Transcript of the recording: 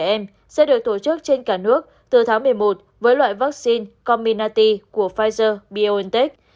trẻ em sẽ được tổ chức trên cả nước từ tháng một mươi một với loại vaccine comminati của pfizer biontech